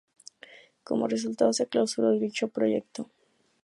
Como resultado se clausuró dicho proyecto.